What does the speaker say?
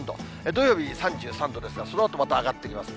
土曜日３３度ですが、そのあと、また上がってきます。